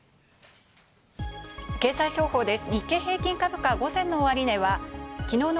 経済情報です。